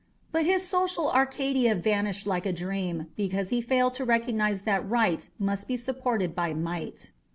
But his social Arcadia vanished like a dream because he failed to recognize that Right must be supported by Might.